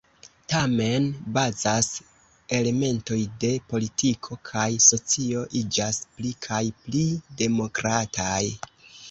Tamen bazaj elementoj de politiko kaj socio iĝas pli kaj pli demokrataj.